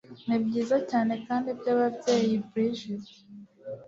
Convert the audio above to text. nibyiza cyane kandi byababyeyi brigid